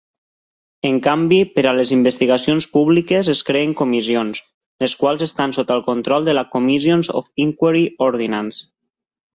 En canvi, per a les investigacions públiques es creen comissions, les quals estan sota el control de la Comissions of Inquiry Ordinance.